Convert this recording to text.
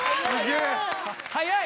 速い？